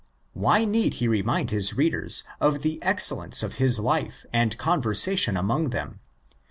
Why need he remind his readers of the excellence of his life and conversation among them (1.